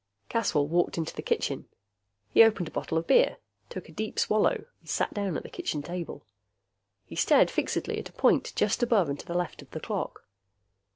Caswell walked into the kitchen. He opened a bottle of beer, took a deep swallow and sat down at the kitchen table. He stared fixedly at a point just above and to the left of the clock.